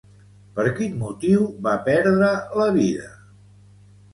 Per quin motiu va perdre la vida?